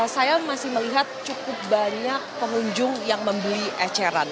saya masih melihat cukup banyak pengunjung yang membeli eceran